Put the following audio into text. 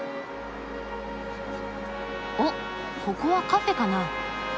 おっここはカフェかな。